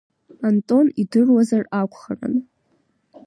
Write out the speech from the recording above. Антон идыруазар акәхарын.